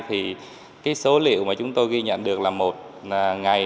thì cái số liệu mà chúng tôi ghi nhận được là một ngày